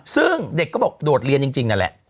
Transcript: ซึ่งเด็กก็บอกโดดเรียนจริงนั่นแหละ